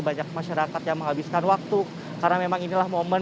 banyak masyarakat yang menghabiskan waktu karena memang inilah momen